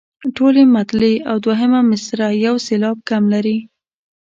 ټولې مطلعې او دوهمه مصرع یو سېلاب کم لري.